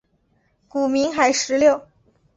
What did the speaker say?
古名海石榴。